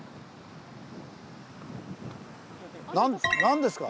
何ですか？